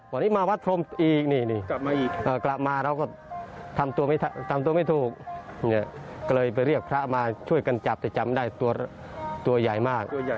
วันนี้มาวัดพรมอีกนี่กลับมาเราก็ทำตัวไม่ถูกก็เลยไปเรียกพระมาช่วยกันจับแต่จำได้ตัวใหญ่มาก